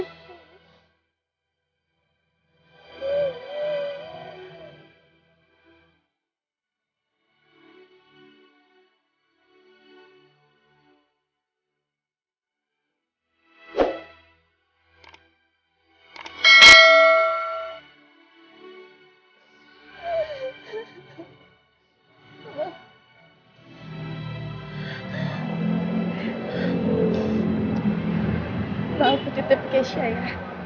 maaf ditepi kesya ya